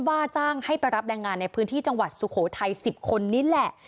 ว่าจ้างให้ไปรับแรงงานในพื้นที่จังหวัดสุโขทัย๑๐คนนี้แหละ